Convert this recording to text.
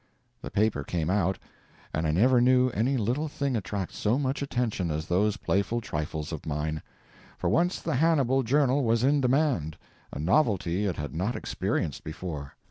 The paper came out, and I never knew any little thing attract so much attention as those playful trifles of mine. For once the Hannibal Journal was in demand—a novelty it had not experienced before.